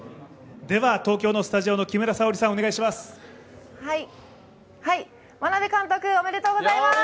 東京のスタジオの木村沙織さん、お願いします。